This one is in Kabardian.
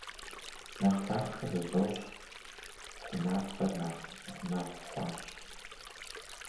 Нэхъ лъахъшэ зызощӀ — гъунапкъэр нэхъ си гъунэгъу хъуащ.